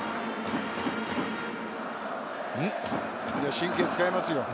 神経使いますよ。